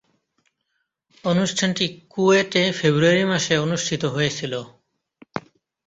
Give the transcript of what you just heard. অনুষ্ঠানটি কুয়েটে ফেব্রুয়ারি মাসে অনুষ্ঠিত হয়েছিলো।